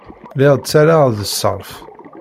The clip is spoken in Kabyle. Lliɣ ttarraɣ-d ṣṣerf.